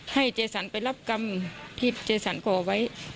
เจสันไปรับกรรมที่เจสันขอไว้